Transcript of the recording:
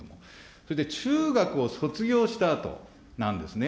それで中学を卒業したあとなんですね。